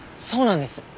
そうなんです。